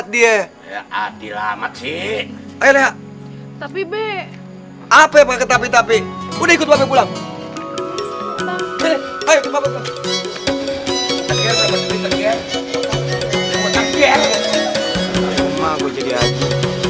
sampai jumpa di video selanjutnya